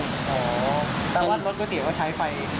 อ๋อแต่ว่ารถก๋วยเตี๋ยวก็ใช้ไฟ